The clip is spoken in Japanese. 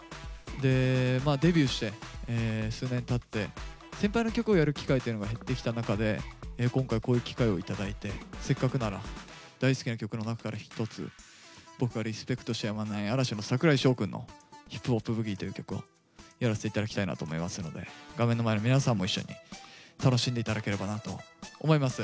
でまあデビューして数年たって先輩の曲をやる機会というのが減ってきた中で今回こういう機会を頂いてせっかくなら大好きな曲の中から一つ僕がリスペクトしてやまない嵐の櫻井翔くんの「ＨｉｐＰｏｐＢｏｏｇｉｅ」という曲をやらせて頂きたいなと思いますので画面の前の皆さんも一緒に楽しんで頂ければなと思います。